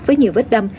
với nhiều vết đâm